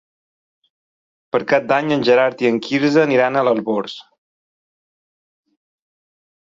Per Cap d'Any en Gerard i en Quirze aniran a l'Arboç.